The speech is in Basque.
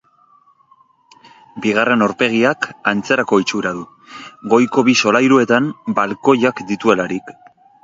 Bigarren aurpegiak antzerako itxura du, goiko bi solairuetan balkoiak dituelarik.